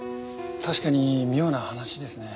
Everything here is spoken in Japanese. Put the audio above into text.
確かに妙な話ですね。